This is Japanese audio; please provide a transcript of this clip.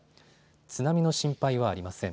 津波の心配はありません。